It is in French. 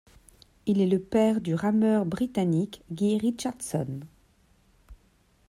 Il est le père du rameur britannique Guy Richardson.